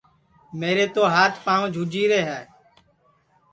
میرے تو ہات پانٚو جھوجھی رے ہے